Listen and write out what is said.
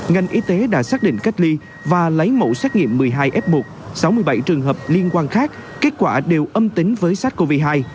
ngành y tế đã xác định cách ly và lấy mẫu xét nghiệm một mươi hai f một sáu mươi bảy trường hợp liên quan khác kết quả đều âm tính với sars cov hai